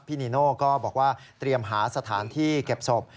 นีโน่ก็บอกว่าเตรียมหาสถานที่เก็บศพ